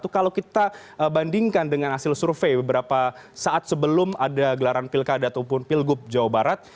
kalau kita bandingkan dengan hasil survei beberapa saat sebelum ada gelaran pilkada ataupun pilgub jawa barat